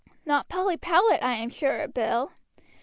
"Not Polly Powlett, I am sure, Bill."